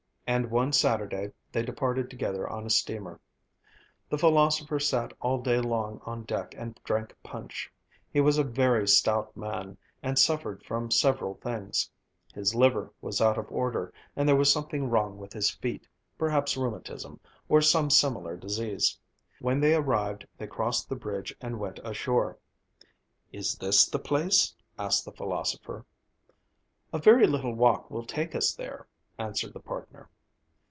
And one Saturday they departed together on a steamer. The philosopher sat all day long on deck and drank punch. He was a very stout man and suffered from several things; his liver was out of order, and there was something wrong with his feet, perhaps rheumatism, or some similar disease. When they arrived, they crossed the bridge and went ashore. "Is this the place?" asked the philosopher. "A very little walk will take us there," answered the partner.